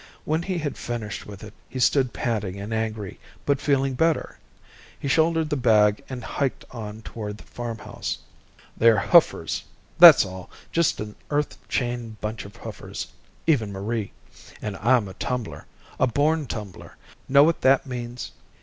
When he had finished with it, he stood panting and angry, but feeling better. He shouldered the bag and hiked on toward the farmhouse. They're hoofers, that's all just an Earth chained bunch of hoofers, even Marie. And I'm a tumbler. A born tumbler. Know what that means?